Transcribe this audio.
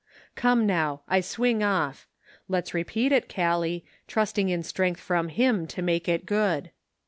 Come now, I swing off ; let's repeat it, Callie trusting in strength from Him to make it good."